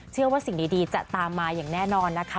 เชื่อว่าสิ่งดีจะตามมาอย่างแน่นอนนะคะ